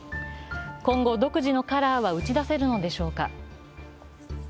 今後、独自のカラーは打ち出せるのでしょうか。